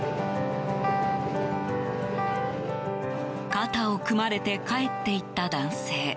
肩を組まれて帰っていった男性。